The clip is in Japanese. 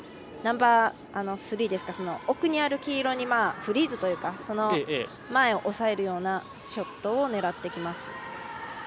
ナンバースリー、奥にある黄色にフリーズというか前を押さえるようなショットを狙ってきます。